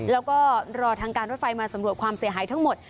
แล้วก็รอทางการรถไฟมาสำรวจความเสียหายทั้งหมด